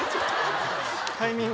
タイミング。